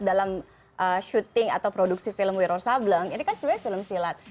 dalam syuting atau produksi film wiro sableng ini kan sebenarnya film silat